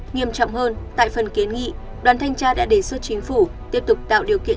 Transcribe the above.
nghiêm trọng hơn tại phần kiến nghị đoàn thanh tra đã đề xuất chính phủ tiếp tục tạo điều kiện